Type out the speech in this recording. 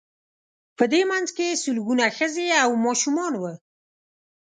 په دې منځ کې سلګونه ښځې او ماشومان وو.